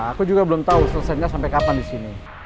aku juga belum tau selesainya sampai kapan disini